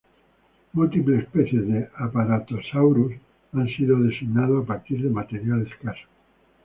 Múltiples especies de "Apatosaurus" han sido designados a partir de material escaso.